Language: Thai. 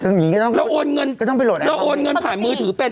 เราโอนเงินผ่านมือถือเป็น